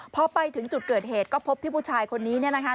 พอไปถึงจุดเกิดเหตุก็พบพี่ผู้ชายคนนี้เนี่ยนะคะ